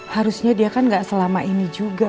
harusnya dia kan gak selama ini juga